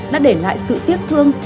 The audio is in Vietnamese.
đã để lại sự tiếc thương